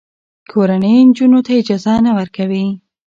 کورنۍ نجونو ته اجازه نه ورکوي.